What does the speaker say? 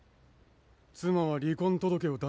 妻は離婚届を出しに行った。